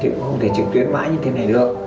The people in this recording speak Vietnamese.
thì cũng không thể trực tuyến mãi như thế này nữa